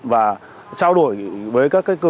và trao đổi với các cơ quan